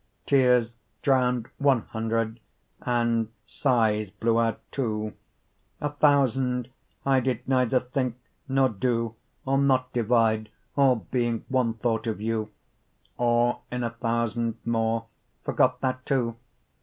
Teares drown'd one hundred, and sighes blew out two, 5 A thousand, I did neither thinke, nor doe, Or not divide, all being one thought of you; Or in a thousand more, forgot that too.